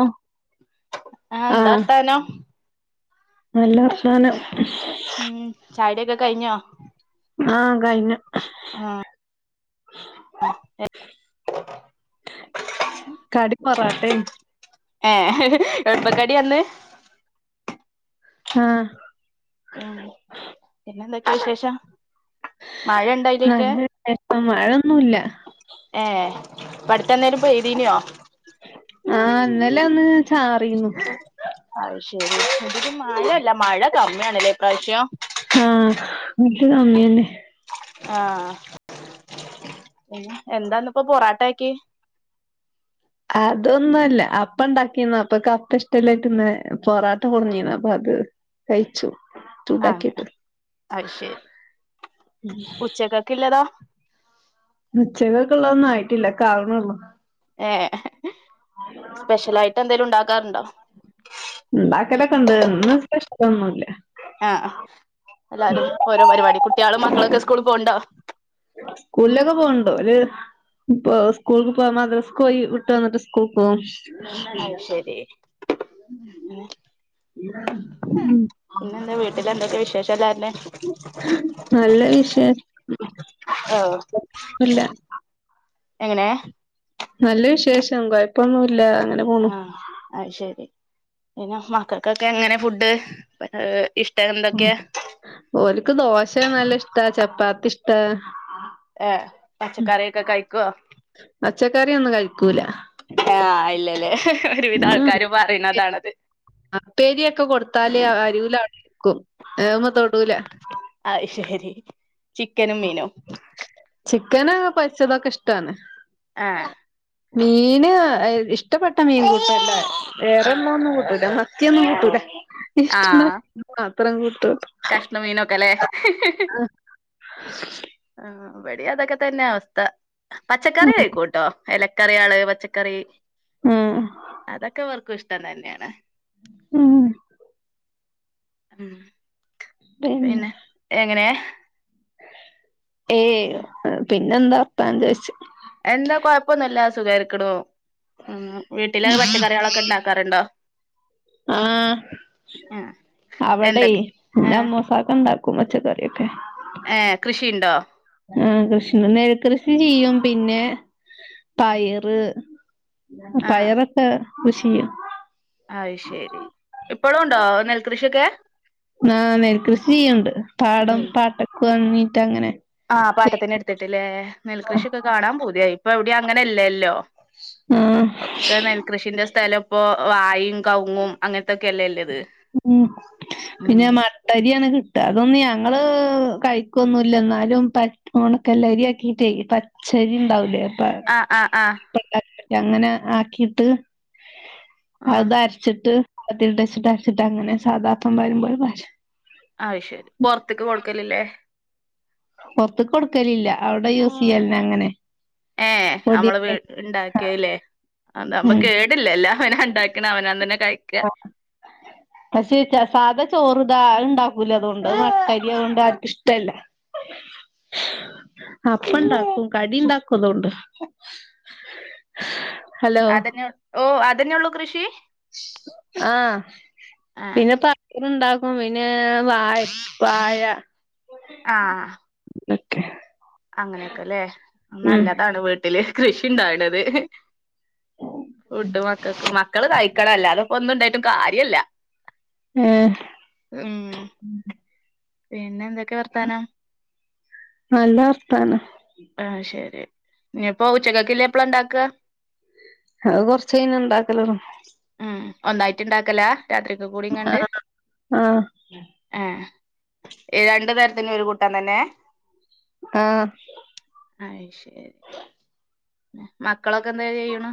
ആഹ് ആ എന്താ ആഹ് വർത്താനം? നല്ല വർത്താനം ഉം ചായടിക്കെ കഴിഞ്ഞോ? ആ കഴിഞ്ഞ് ആഹ് കടി പൊറാട്ടേം ഏഹ് എൾപ്പക്കടിയാ ഇന്ന്? ആഹ് ഉം പിന്നെന്തൊക്കെ വിശേഷം? മഴ ഇണ്ടോ അയിലൊക്കെ നല്ല വിശേഷം മഴന്നുല്ല. ഏ ഇപ്പട്ത്തന്നേരം പെയ്തീനോ? ആ ഇന്നലെ ഒന്ന് ചാറീന്നു അത് ശരി [unintelligible] മഴല്ല മഴ കമ്മിയാണല്ലേ ഇപ്രാവശ്യം? ആ [unintelligible] കമ്മിന്നെ ആ പിന്നെ എന്താന്ന് പ്പോ പൊറാട്ടാക്കി? അതൊന്നുല്ല അപ്പ ഇണ്ടാക്കിന്ന അപ്പക്ക് അപ്പ ഇഷ്ടല്ലായിട്ട്ന്ന് പൊറാട്ട കൊടുഞ്ഞിന്ന് അപ്പൊ അത് കയിച്ചു അങ്ങനെ അഹ്ശരി ഉം ഉച്ചക്കക്കെ ഇള്ളതോ? ഉച്ചകക്ക് ഇള്ളതൊന്നും ആയിട്ടില്ല ഒക്കാവുന്നേള്ളൂ. ഏഹ് സ്പെഷ്യൽ ആയിട്ട് എന്തെലും ഇണ്ടാക്കാറുണ്ടോ? ഉണ്ടാക്കലക്കെണ്ട് ഇന്ന് സ്പെഷ്യൽ ഒന്നുല്ല. ആ എല്ലാരും ഓരോ പരിപാടി കുട്ട്യാളും മക്കളൊക്കെ സ്കൂളിൽ പോവ്ണ്ടോ? സ്കൂലൊക്കെ പോണ്ടോ ഓല് ഇപ്പ സ്കൂൾക്ക് പോവാ മദ്രസ് പോയി വിട്ട് വന്നിട്ട് സ്കൂൾക്ക് പോം അയ് ശെരി ഉം [unintelligible] എന്തൊക്കെ വിശേഷം [unintelligible] നല്ല വിശേ ഓഹ് ഇല്ല എങ്ങനെ നല്ല വിശേഷം കൊയപ്പൊന്നുല്ല ആഹ് അയ് ശെരി പിന്നെ മക്കക്കൊക്കെ എങ്ങനെ ഫുഡ് ഏഹ് ഇഷ്ട എന്തൊക്കെയാ ഓല്ക്ക് ദോശ നല്ല ഇഷ്ടാ ചപ്പാത്തി ഇഷ്ടാ ഏഹ് പച്ചക്കറിക്കെ കഴിക്കോ പച്ചക്കറിയൊന്നും കഴിക്കൂല ആഹ് ഇല്ലല്ലേ ഒരുവിധ ആൾക്കാര് പറയണതാണത് ആഹ് ഉപ്പേരിയൊക്കെ കൊടുത്താല് അരികില് അവടെരിക്കും ഏമ്മേ തൊടുല അയ് ശെരി ചിക്കനും മീനും ചിക്കന് പൊരിച്ചതാക്കെ ഇഷ്ടാണ് ആഹ് മീന് ഇഷ്ടപ്പെട്ട മീൻ കൂട്ടല്ലേ വേറെള്ള ഒന്നും കൂട്ടൂല മത്തിയൊന്നും കൂട്ടൂലാ ഇഷ്ടല്ല അത്ര കുട്ടൊള്ളു കഷണം മീനൊക്കെല്ലേ ആഹ് ഇവടേം അതൊക്കെ തന്നെ അവസ്ഥ പച്ചക്കറി കഴിക്കൂട്ടോ എലക്കറീകള് പച്ചക്കറി ഉം അതൊക്കെ ഇവർക്കും ഇഷ്ടം തന്നെയാണ് ഉം ഉം പിന്നെ എങ്ങനെ ഏയ് പിന്നെന്താപ്പാന്ന് ചോയിച്ചു എന്താ കൊഴപ്പൊന്നുല്ല സുഖാരിക്ക്ണു ഉം വീട്ടില് പച്ചക്കറികളൊക്കെ ഇണ്ടാക്കാറുണ്ടോ ആഹ് ആഹ് അവടെ എന്തൊക്കെ ഏ പിന്നെ മോസാക്ക ഇണ്ടാക്കും പച്ചക്കറിയൊക്കെ ഏഹ് കൃഷിയ്ണ്ടോ ആഹ് കൃഷി നെൽ കൃഷി ചെയ്യും പിന്നെ പയറ് പയറക്കെ കൃഷി ചെയ്യും അയ് ശെരി ഇപ്പഴും ഒണ്ടോ നെൽകൃഷിയൊക്കെ ആഹ് നെൽ കൃഷി ചെയ്യണ്ട് പാടം ഉം പാട്ടക്ക് വാങ്ങിട്ട് അങ്ങനെ ആഹ് പാട്ടത്തിന് എടുത്തിട്ടില്ലേ നെൽകൃഷിയൊക്കെ കാണാൻ പൂതിയായി ഇപ്പോ എവടേം അങ്ങനെയില്ലല്ലോ ആ ഒക്കെ നെൽ കൃഷിന്റെ സ്ഥലം ഇപ്പോ വായും കവുങ്ങും അങ്ങനത്തെക്കെയല്ലേല്ലത് ഉം പിന്നെ മ ട്ടരിയാണ് കിട്ടുക അതൊന്നും ഞങ്ങള് കഴിക്കുവൊന്നുല്ല എന്നാലും പ ഒണക്കെല്ലരിയാക്കിട്ടേ പ ച്ചരിണ്ടാവുലെ ആഹ് ആഹ് ആഹ് [unintelligible] അങ്ങനെ ആക്കിട്ട് ആഹ് അതര ച്ചിട്ട് [unintelligible] അങ്ങനെ സാധാ അപ്പം പാരുമ്പോലെ പാര ആശെരി പോർത്ത്ക്ക് കൊടുക്കലല്ലേ പുറത്ത് കൊടുക്കലില്ല അവിടെ യൂസ് ചെയ്യലന്നെ അങ്ങനെ ഏഹ് നമ്മള് വീ പൊടിയൊക്കെ ഇണ്ടാക്കിയല്ലേ ആ നമ്മ ഉം കേ ‌ത് ല്ലല്ലോ അവനാണ്ടാക്കണ അവനാൻ തന്നെ കഴിക്ക പക്ഷെ സാധ ചോറുതാ അത്ണ്ടാക്കൂല ഇതോണ്ട് അത് മാട്ടരി അയോണ്ട് ആർക്കു ഇഷ്ടല്ല [inaudible] അപ്പണ്ടാക്കും കടിണ്ടാക്കോതോണ്ട് അതന്നെ ഓ അതന്നെള്ളൂ കൃഷി ആഹ് ആഹ് പിന്നെപ്പ ണ്ടാക്കും പിന്നെ വാഴ വാഴ ആഹ് തൊക്കെ അങ്ങനെയൊക്കെല്ലെ നല്ലതാണ് വീട്ടില് കൃഷി ഉണ്ടാവണത് ഫുഡ് മക്കക്ക് മക്കള് കഴിക്കണോ അല്ലാതപ്പോ ഒന്നുണ്ടായിട്ടു കാര്യല്ല ഏഹ് ഉം ഉം പിന്നെ എന്തൊക്കെ വർത്താനം നല്ല വർത്താനം ആ ശെരി ഇനിയിപ്പോ ഉചക്കെക്കില്ല എപ്പള ഉണ്ടാക്ക അത് കുറച്ച്കഴിഞ്ഞ് ഉണ്ടാക്കലു ഉം ഒന്നായിട്ട് ഇണ്ടാക്കല രാത്രിക്കുകൂടികാണ്ട് ആഹ് ഏഹ് രണ്ടു നെരത്തിനു ഒരു കൂട്ടാൻ തന്നെ ആഹ് അയ്ശ [inaudible] മക്കളൊക്കെ എന്താ ചെയ്യുണു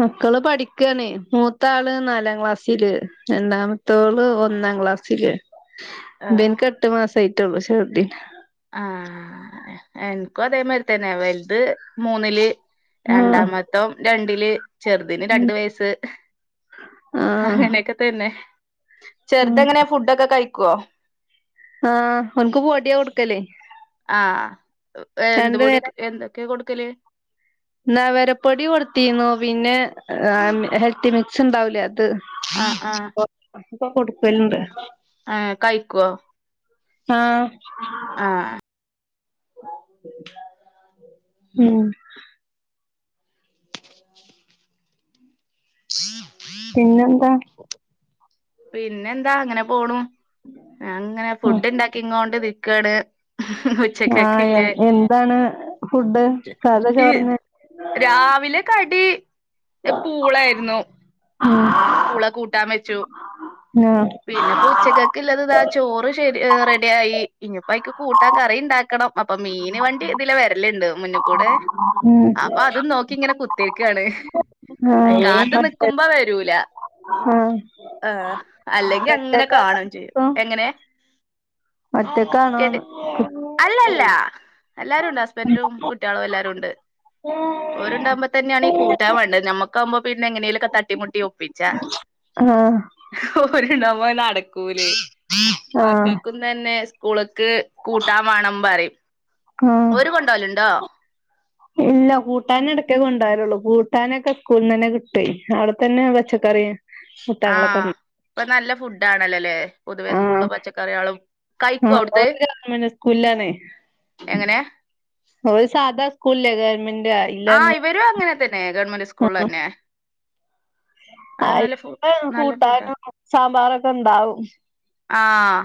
മക്കള് പഠിക്കാണ് മൂത്താള് നാലാം ക്ലാസ്സില് രണ്ടാമ ത്തോള് ഒന്നാം ക്ലാസ്സില് ആഹ് ബിൻക്ക് എട്ട് മാസയിട്ടുള്ളു ഷെർദീന് ആഹ് എനിക്കു അതേമാരി തന്നെ വലുത് മൂന്നില് ആഹ് രണ്ടാമത്തോൻ രണ്ടില് ചെറുതിന് രണ്ട് വയസ് ആഹ് അങ്ങനെയൊക്കെ തന്നെ ചെറുത് എങ്ങനെയാ ഫുഡൊക്കെ കഴിക്കുവോ ആഹ് ഒൻക്ക് പോടിയ കൊടുക്കലേ ആഹ് എന്ത്പൊടി എന്തൊക്കെയാ കൊടുക്കല് എന്നാ വിരപ്പൊടി കൊടുതീന്നു പിന്നെ ഹെൽത്തി മിക്സുണ്ടാവൂലേ അത് ആഹ് ആഹ് ഇപ്പൊ കൊടുക്കലുണ്ട് എഹ് കഴിക്കുവോ ആഹ് ആഹ് ഉം പിന്നെന്താ പിന്നെ എന്താ അങ്ങനെ പോണു അങ്ങനെ ഫുഡ്ണ്ടാക്കിങ്ങോണ്ട് നിക്കാണ് വെച് ആഹ് എ എന്താണ് ഫുഡ് സധാ ഈ ചോറിന് രാവിലെ കടി പൂളായിരുന്നു ആം [unintelligible] പൂള കൂട്ടാൻ വെച്ചു ഏഹ് പിന്നെപ്പോ ഉച്ചക്കെക്കുള്ളത് ഇതാ ചോറ് ശരി റെഡിയായി ഇനിപ്പോ ഐക്ക് കൂട്ടാൻ കറി ഉണ്ടാക്കണം അപ്പൊ മീന് വണ്ടി ഇതിലെ വരലുണ്ട് മു ന്നിൽകൂടെ അപ്പൊ അതും നോക്കി ഇങ്ങനെ കുത്തിര്ക്കാണ് കാത്തു ആഹ് നിിക്കുമ്പോ വരൂല ആഹ് ആഹ് അല്ലെങ്കി അങ്ങനെ കാണും ചെയ്യും ഒറ്റക്കാണോ എങ്ങനെ കേട്ട് ഒറ്റക്കണോന്ന് അല്ലല്ല എല്ലാരുംണ്ട് ഹസ്ബൻറും കുട്ടികളും എല്ലാരും ഉണ്ട് ഓരുണ്ടാവുമ്പോ തന്നെയാണ് ഈ കൂട്ടാവേണ്ടെ നമ്മുക്കാവുമ്പോ പിന്നെ എങ്ങനേലൊക്കെ തട്ടീംമുട്ടിയും ഒ പിച്ച ആഹ് ഓര് ണ്ടാവുമ്പത് നടക്കൂലേ ആഹ് മക്കൾക്കും തന്നെ കൂളക്ക് കൂട്ടാൻ വേണം പറയും ആഹ് ഓര് കൊണ്ടോവലുണ്ടോ ഇല്ല കൂട്ടാനിടക്കേ കൊണ്ടരള്ളൂ കൂട്ടാനൊക്കെ സ്കൂളന്ന് തന്നെ കിട്ടേ അവിടെത്തന്നെ പച്ചക്കറിയ ആഹ് ഇപ്പൊ നല്ല ഫുഡ് ആണല്ലോല്ലേ പൊതുവെ ആഹ് സ്കൂളില് പച്ചക്കറികളും കഴിക്കൊ ആഹ് അവിടുത്തെ ഓല് ഗവൺമെന്റ് സ്കൂളിലാണേ എങ്ങനെയ ഓ സാധാ സ്കൂൾ ല്ലേ ഗവൺമെന്റ് ആയി ആ ഇവരും അങ്ങനെ തന്നെ ഗവൺമെന്റ് സ്കൂളിൽന്നെ ആയിപ്പ നല്ല ഫുഡാ കൂട്ടാനും സാമ്പാറൊക്കെ ഇണ്ടാവും ആഹ്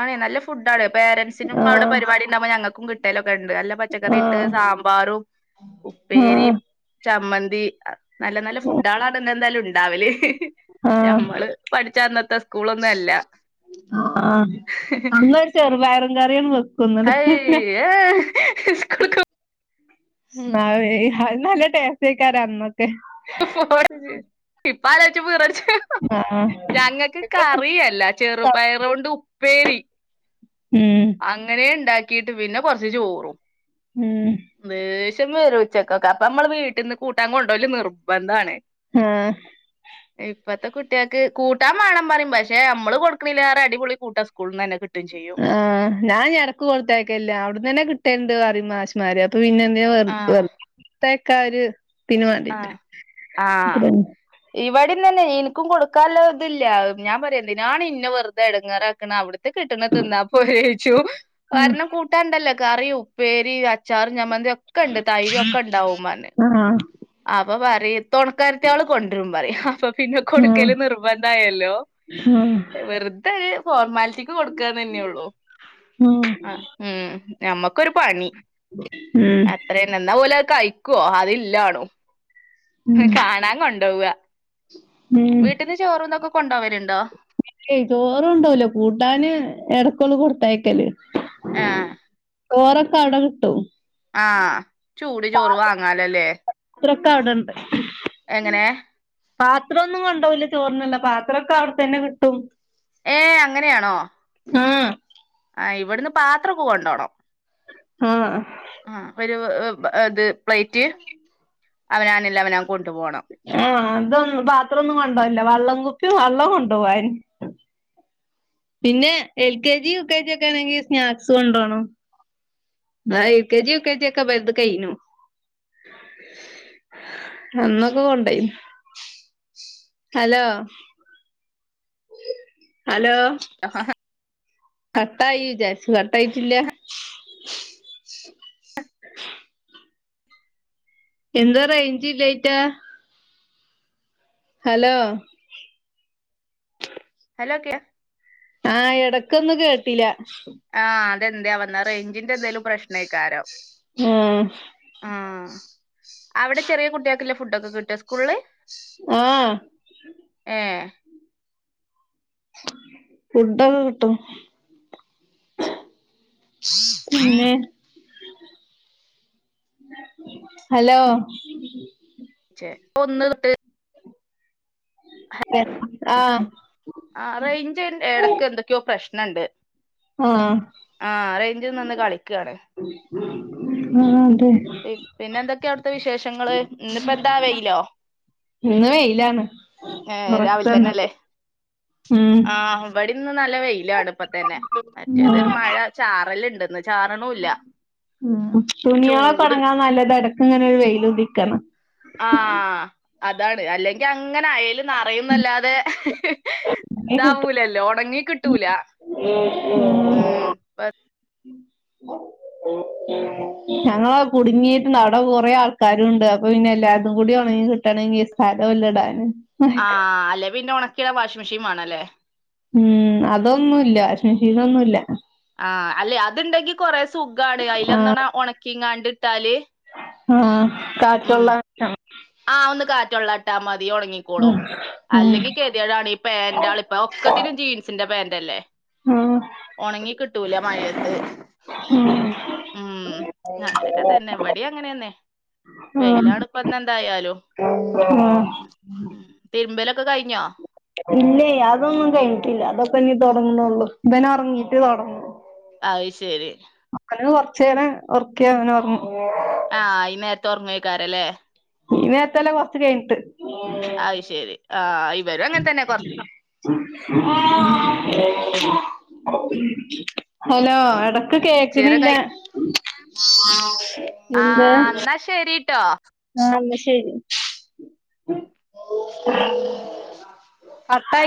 ആണ് നല്ല ഫുഡാണ് പോരൻറ്സിനും അവിടെ ആഹ് പരിപാടി ണ്ടാവ് മ്പം ഞങ്ങൾക്കും കിട്ടലൊക്കണ്ട് നല്ല പച്ചക്കറി ഇട്ട് ആഹ് സാമ്പാറും ഉപ്പേരിം ആഹ് ചമ്മന്തി നല്ല നല്ല ഫുഡാണ് ആ ടെ എന്താലും ഉണ്ടാവല് ആഹ് ഞമ്മള് പഠിച്ചാ അന്നത്തെ സ്കൂളൊന്നും അല്ല ആഹ് അന്നൊരു ചെറുപയറും കറിയും ഹൈ ഏ സ്കൂൾ അതു നല്ല ടേസ്റ്റാക്കാാര അന്നക്കെ ഇപ്പാലോയ്ച്ച പീറടച്ചും ആഹ് ഞങ്ങക്ക് ഇപ്പൊ കറിയല്ല കുട്ടികൾക്കാവും ചെറുപയറോണ്ട് ഉപ്പേരി ഉം അങ്ങനെ ഇണ്ടാക്കിട്ട് പിന്നെ കുറച്ച് ചോറും ഉം ദേഷ്യം വരും ഉച്ചക്കൊക്കെ അപ്പൊമ്മള് വീട്ടീന്ന് കൂട്ടാൻ കൊണ്ടോല് നിർബന്ധാണ് ഉം ഇപ്പഴത്തെ കുട്ടികൾക്ക് കൂട്ടാ വേണം പറയും പക്ഷെ നമ്മള് കൊടുക്കണി ലേറെ അടിപൊളി കൂട്ടാൻ സ്കൂളിൽന്ന് തന്നെ കിട്ടും ചെയ്യും ആ ഞാൻ ഇടക്ക് കൊടുത്തയക്കല്ല അവിടന്ന് തന്നെ കിട്ടേണ്ട് പറിം മാഷ് മമാര് അപ്പൊ പിന്നെ എന്തേ ആഹ് വേർത്തേക്കാര് ആഹ് ആഹ് ഇവിടെന്ന് തന്നെ എനിക്കും കൊടുക്കാനഇതില്ല ഞാൻ പറയാന്തിനാണെന്നെ വെറുതെ എടങ്ങാറാക്കണ അവിടു കിട്ടണതിന്നാപ്പോരേച്ചു കാരണം കൂട്ടാണ്ടല്ലോ കറിയും പേരി അച്ചാറും ചമ്മന്തി ഒക്കെ ഉണ്ട് തൈര് ഒക്കെ ഉണ്ടാവും മമാ ആഹ് ആപ്പ പറയും തൊണക്കാരത്തിയോള് കൊണ്ടരും പറയും അപ്പൊ പിന്നെ ആഹ് ആഹ് കൊടുക്കല് നിർബന്ധായല്ലോ ആഹ് വെറുതെ ഒര് ഫോർമാലിറ്റിക്ക് കൊടുക്കാന്നെയെയുള്ളു ഉം ആഹ് ഉം ഞമ്മക്കൊരു പണി അ [unintelligible] എന്നാ ഓല് കയിക്കോ അതില്ലാണു ഉം കാണാൻ കൊണ്ടോവാ ഉം വീട്ട്ന്ന് ചോറും ഇതൊക്കെ കൊണ്ടോവല്ണ്ടോ? ഏയ് ചോറുകൊണ്ടോവൂലാ കൂട്ടാന് എടക്കൊന്ന് കൊടുത്തയക്കല് ആഹ് ചോറൊക്കെ അവിടെ കിട്ടും ആഹ് ചൂട് ചോറ് വാങ്ങാലോല്ലേ ത്രൊക്കെ അവിടെണ്ട് എങ്ങനെ പാത്രോന്നും കൊണ്ടോവൂലാ ചോറിന്ള്ളെ പാത്രൊക്കെ അവിടെ തന്നെ കിട്ടും ഏഹ് അങ്ങനെയാണോ ആഹ് ആഹ് ഇവിട്ന്ന് പാത്രൊക്കെ കൊണ്ടോണം ആഹ് ആഹ് അപ്പ ഒരു ഏഹ് ഇത് പ്ലേറ്റ് അവനാനില്ലെ അവനാൻ കൊണ്ടു പോണം ആഹ് അതൊന്നും പാത്രറോന്നും കൊണ്ടോവലില്ലാ വള്ളം കുപ്പി വള്ളം കൊണ്ടോവാനി പിന്നെ L K G U K G ഒക്കെ ആണെങ്കി സ്നാക്സ് കൊണ്ടോണം ആഹ് എൽ കെ ജി യൂക്കേജിക്കെ ഇബൽത് കയിന്നു അന്നൊക്കെ കൊണ്ടോയിനു ഹലോ ഹലോ കട്ടായി വിജാരിച്ചു കട്ടായിട്ടില്ലാ എന്താ റേയ്ഞ്ചില്ലായിറ്റാ ഹലോ ഹലോ കേ ആഹ് എടക്കൊന്ന് കേട്ടില്ലാ ആഹ് അതെന്താ വന്നാ റേയ്ഞ്ചിന്റെ എന്തേലും പ്രശ്നായിക്കാരം ഉം ആഹ് അവടെ ചെറിയ കുട്ട്യേക്ക്ള്ളെ ഫുഡൊക്കെ കിട്ടോ സ്കൂളില് ആഹ് ഏഹ് ഫുഡൊക്കെ കിട്ടും പിന്നെ? ഹലോ ചെ ഒന്ന് തൊട്ട് ആഹ് ആഹ് റെയിഞ്ചിൻ എടക്ക് എന്തൊക്കെയോ പ്രശ്നണ്ട് ആ ആഹ് റേയ്ഞ്ച് നിന്ന് കളിക്കാണ് ആഹ് അതെ പി പിന്നെന്തെക്കെയാ അവിട്ത്തെ വിശേഷങ്ങള് ഇന്നിപ്പെന്താ വെയ്ലോ? ഇന്ന് വെയിലാണ് ഏഹ് പൊറത്താണ് രാവിൽത്തെന്നെല്ലേ ഉം ആഹ് ഇവിടിന്ന് നല്ല വെയിലാണ് ഇപ്പതന്നെ മറ്റേതൊരു മഴ ചാറലിണ്ട് ഉം തുണ്യാളൊക്കെ ചൂട് ഒണങ്ങാൻ നല്ലതാ എടക്കിങ്ങനെ ഒരു വെയ്ലുദിക്ക്ണ ആഹ് അതാണ് അല്ലെങ്കി അങ്ങനെ അയേല് നറയുംന്നല്ലാതെ അല്ലേ ഇതാവൂലല്ലോ ഒണങ്ങി കിട്ടൂല ഉം ഉം ഞങ്ങള കുടുങ്ങീരുന്നു അവടെ കൊറേ ആൾക്കാരൂണ്ട് അപ്പൊ പിന്നെ എല്ലാര്തും കൂടി ഒണങ്ങി കിട്ടണെങ്കി സ്ഥലോല്ല ഇടാന് ആഹ് അല്ലെ പിന്നെ ഒണക്കീടാൻ വാഷിംഗ് മെഷീൻ വേണല്ലേ ഉം അതൊന്നു ഇല്ല വാഷിംഗ് മെഷീനൊന്നുല്ല ആഹ് അല്ലെ അതിണ്ടെങ്കി കൊറേ സുഖാണ് ആഹ് അയിലെന്തണ ഒണക്കിങ്ങാണ്ടിട്ടാല് ആഹ് കാറ്റൊള്ളാൻ ആഹ് ഒന്ന് കാറ്റൊള്ളാൻ ഇട്ടാ മതി ഒണങ്ങി ക്കോളും ഉം ഉം അല്ലെങ്കി കെതികേടാണ് ഈ പാന്റാള് ഇപ്പൊ ഒക്കത്തിനും ജീൻസിന്റെ പാന്റല്ലേ ആഹ് ഒണങ്ങി കിട്ടൂല്ല മയത്ത് ഉം ഉം അങ്ങനക്കെ തന്നെ ഇവിടേം അങ്ങനേന്നെ ആഹ് വെയിലാണിപ്പന്ന് എന്തായാലും ആഹ് ഉം തിരുമ്പലൊക്കെ കയിഞ്ഞോ ഇല്ലേ അതൊന്നും കഴിഞ്ഞിട്ടില്ല അതൊക്കെ ഇനി തൊടങ്ങ്ണൂള്ളു ഇവൻ ഒറങ്ങീട്ട് തൊടങ്ങു അയ്ശരി അങ്ങനെ കുറച്ചേരം ഉറക്കിയാൽ അങ്ങനെ ഉറങ്ങും ആഹ ഈ നേരത്ത് ഉറങ്ങേകാരം ലെ ഈ നേരത്തല്ല കുറച്ച് കഴിഞ്ഞിട്ട് അയ് ശരി ആഹ് ഇവരും അങ്ങന് തന്നെ കൊറച്ച് ഹലോ എട ക്ക് കൊറച്ചേരം കേക്ക്ണില്ല കഴി എന്ത് ശെരിട്ടോ ആഹ് ഇന്നാ ശരി കട്ടായി